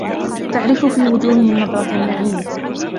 تَعْرِفُ فِي وُجُوهِهِمْ نَضْرَةَ النَّعِيمِ